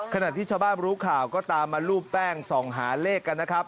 ขณะที่ชาวบ้านรู้ข่าวก็ตามมารูปแป้งส่องหาเลขกันนะครับ